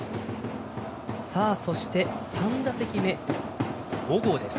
そして、３打席目小郷です。